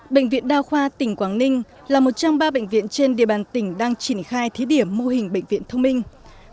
bệnh viện đa khoa tỉnh quảng ninh là một trong ba bệnh viện trên địa bàn tỉnh đang triển khai thí điểm mô hình bệnh viện thông minh